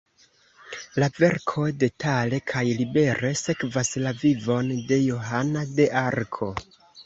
La verko detale kaj libere sekvas la vivon de Johana de Arko.